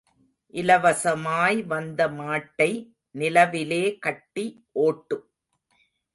இலவசமாய் வந்த மாட்டை நிலவிலே கட்டி ஓட்டு.